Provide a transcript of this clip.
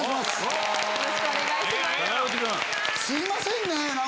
すいませんね